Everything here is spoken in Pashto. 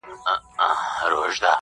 تر لحده به دي ستړی زکندن وي.!